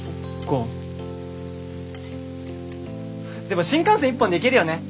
でも新幹線１本で行けるよね！